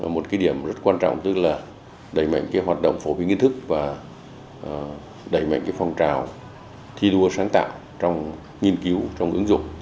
một cái điểm rất quan trọng tức là đẩy mạnh cái hoạt động phổ biến kiến thức và đẩy mạnh cái phong trào thi đua sáng tạo trong nghiên cứu trong ứng dụng